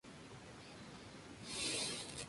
Empezó escuchando al grupo argentino Actitud María Marta.